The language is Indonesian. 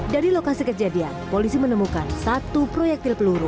dari lokasi kejadian polisi menemukan satu proyektil peluru